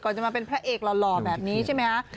จะมาเป็นพระเอกหล่อแบบนี้ใช่ไหมคะ